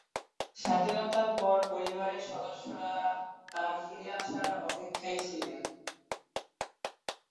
স্বাধীনতার পর পরিবারের সদস্যরা তার ফিরে আসার অপেক্ষায় ছিলেন।